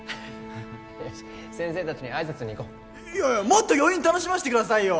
よし先生達に挨拶に行こういやいやもっと余韻楽しませてくださいよ